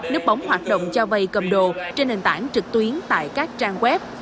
núp bóng hoạt động cho vay cầm đồ trên nền tảng trực tuyến tại các trang web